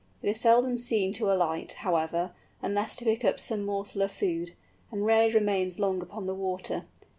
It is seldom seen to alight, however, unless to pick up some morsel of food, and rarely remains long upon the water.